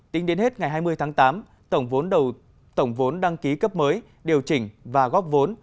tính đến hết ngày hai mươi tháng tám tổng vốn đăng ký cấp mới điều chỉnh và góp vốn